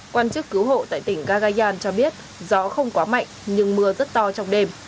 quan chức cứu hộ tại tỉnh gagayan cho biết gió không quá mạnh nhưng mưa rất to trong đêm